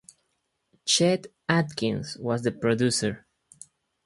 Chet Atkins was the producer.